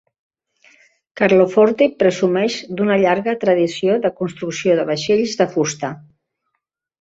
Carloforte presumeix d'una llarga tradició de construcció de vaixells de fusta.